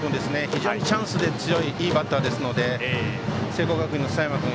非常にチャンスで強いいいバッターですので聖光学院の佐山君